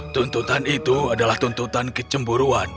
tuntutan itu adalah tuntutan kecemburuan